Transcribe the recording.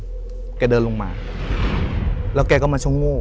พี่มดังแกเดินลงมาแล้วแกก็มาช่องโง่